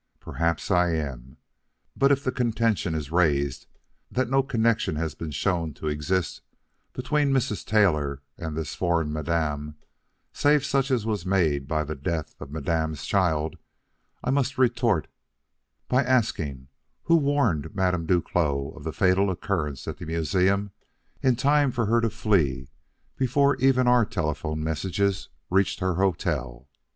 Perhaps I am, but if the contention is raised that no connection has been shown to exist between Mrs. Taylor and this foreign Madame, save such as was made by the death of Madame's child, I must retort by asking who warned Madame Duclos of the fatal occurrence at the museum in time for her to flee before even our telephone messages reached her hotel?